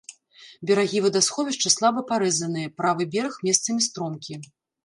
Берагі вадасховішча слаба парэзаныя, правы бераг месцамі стромкі.